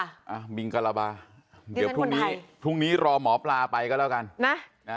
อะบิงกะละบาพรุ่งนี้รอหมอปลาไปก็แล้วกันนะ